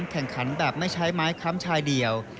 แข่งขันแบบไม่ใช้ไม้ค้ำชายเดียว